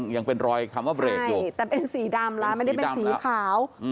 ยังเป็นรอยคำว่าเบรกใช่แต่เป็นสีดำแล้วไม่ได้เป็นสีขาว